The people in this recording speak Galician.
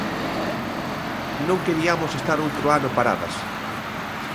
Non queriamos estar outro ano paradas.